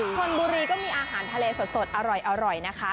ชนบุรีก็มีอาหารทะเลสดอร่อยนะคะ